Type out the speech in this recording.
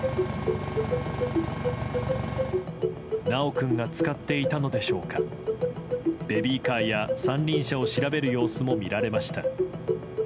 修君が使っていたのでしょうかベビーカーや三輪車を調べる様子も見られました。